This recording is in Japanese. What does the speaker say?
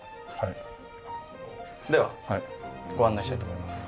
ではご案内したいと思います。